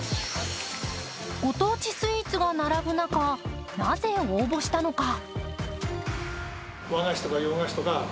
ご当地スイーツが並ぶ中なぜ応募したのか？